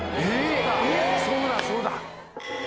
そうだそうだ！